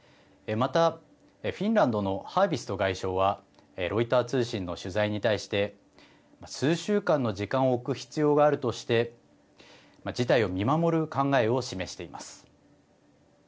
またフィンランドのハービスト外相はロイター通信の取材に対して数週間の時間を置く必要があるとして事態を見守る考えを示しています。